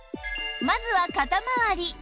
まずは肩まわり